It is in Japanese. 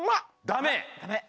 ダメ。